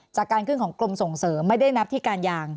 จากการขึ้นของกรมส่งเสริมไม่ได้นับที่การยาง